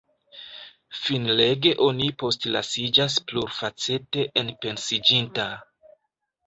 Finlege oni postlasiĝas plurfacete enpensiĝinta.